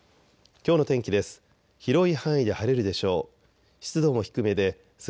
きょうの天気です。